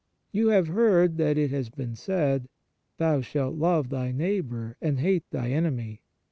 You have heard that it hath been said, Thou shalt love thy neighbour, and hate thy enemy. 5:44.